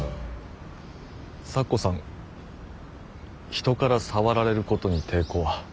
咲子さん人から触られることに抵抗は？